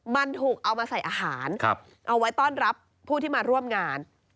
มันถูกเอามาใส่อาหารเอาไว้ต้อนรับผู้ที่มาร่วมงาน